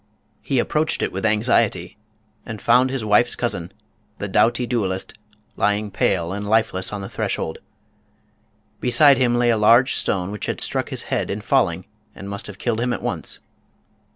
He approached it with anxiety, and found his wife's cousin, .the doughty duelist, lying pale and lifeless on the threshold. Beside him lay a large stone which had struck his head in falling and must have killed him at once.